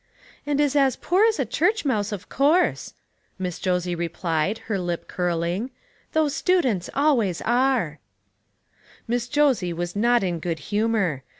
"And is as poor as a church mouse, of course," Miss Josie replied, her lip curling j "those students always are." THINGS THAT FITTED. 263 Miss Josie was not in good humor.